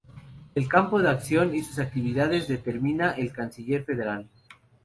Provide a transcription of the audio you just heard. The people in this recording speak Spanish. El campo de acción de sus actividades lo determina el canciller federal.